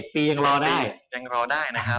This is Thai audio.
๑๑ปียังรอได้